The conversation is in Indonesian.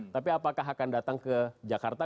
tapi apakah akan datang ke jakarta